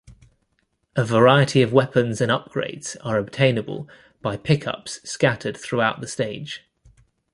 A variety of weapons and upgrades are obtainable by pick-ups scattered throughout the stage.